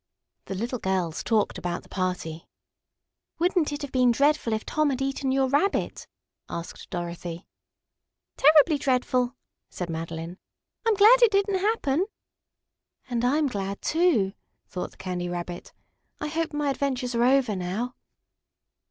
The little girls talked about the party. "Wouldn't it have been dreadful if Tom had eaten your Rabbit?" asked Dorothy. "Terribly dreadful!" said Madeline. "I am glad it didn't happen." "And I'm glad, too," thought the Candy Rabbit. "I hope my adventures are over now."